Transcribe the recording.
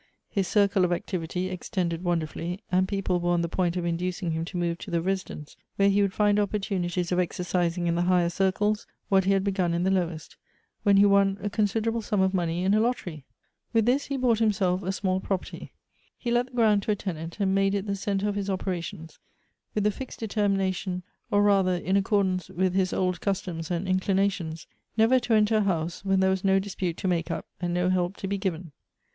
His circle of activ ity extended wonderfully, and people were on the point of inducing him to move to the Residence, where he would find opportunities of exercising in the higher circles what he had begun in the lowest, when he won a considerable sum of money in a lottery. With this, he bought himself 1* 18 Goethe's a small property. He let the ground to a tenant, and made it the centre of his operations, with the fixed de termination, or rather in accordance with his old customs and inclinations, never to enter a house where there was no dispute to make up, and no help to be given.